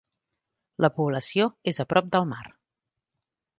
La població és a prop del mar.